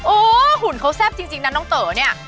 โอ้โหหุ่นเขาแซ่บจริงนะน้องเต๋อเนี่ย